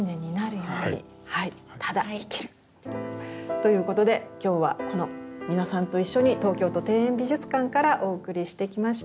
ということで今日はこの皆さんと一緒に東京都庭園美術館からお送りしてきました。